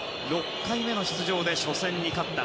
６回目の出場で初戦に勝った。